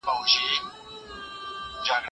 د اخلاقو زده کړه د ماشومانو د پلار لومړنی هدف دی.